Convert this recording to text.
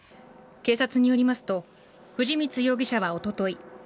警察によりますと藤光容疑者はおととい